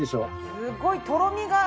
すごいとろみが。